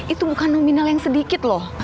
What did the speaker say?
itu bukan nominal yang sedikit loh